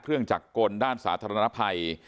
เครื่องจักรรด้านสาธารณภัย